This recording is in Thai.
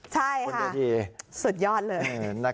ใช่คนดีสุดยอดเลย